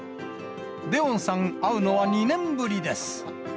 デヲォンさん、会うのは２年ぶりです。